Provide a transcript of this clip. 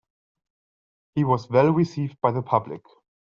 He was well received by the public.